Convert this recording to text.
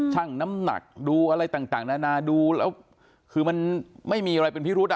ช่างน้ำหนักดูอะไรต่างนานาดูแล้วคือมันไม่มีอะไรเป็นพิรุษอ่ะ